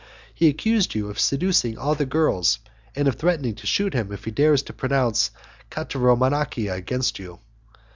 He accused you of seducing all the girls, and of threatening to shoot him if he dared to pronounce 'cataramonachia' against you.